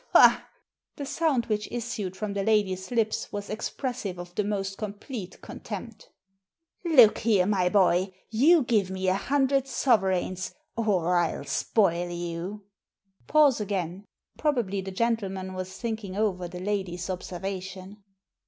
"Bah!" The sound which issued from the lady's lips was expressive of the most complete contempt "Look here, my boy, you give me a hundred sovereigns or TU spoil you." Pause again. Probably the gentleman was thinking over the lady's observation.